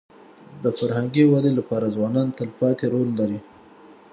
د فرهنګي ودې لپاره ځوانان تلپاتې رول لري.